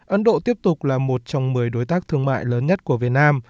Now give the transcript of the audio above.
ấn độ tiếp tục là một trong một mươi đối tác thương mại lớn nhất của việt nam